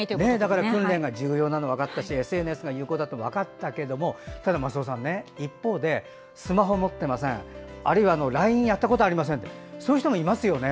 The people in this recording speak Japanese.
だから訓練が重要なのが分かったしＳＮＳが有効なのも分かったけれどもただ、松尾さん一方でスマホ持ってませんあるいはＬＩＮＥやったことありませんっていう人もいますね。